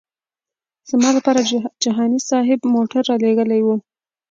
زما لپاره جهاني صاحب موټر رالېږلی و.